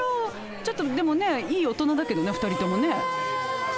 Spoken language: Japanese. ちょっとでもねいい大人だけどね２人ともね。